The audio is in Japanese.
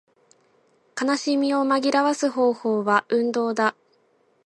悲しみを紛らわす方法は運動だ